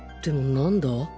何だ？